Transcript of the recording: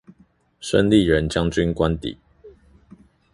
孫立人將軍官邸